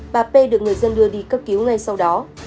bà p được người dân đưa đi cấp cứu ngay sau đó